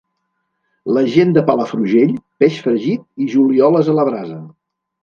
La gent de Palafrugell, peix fregit i julioles a la brasa.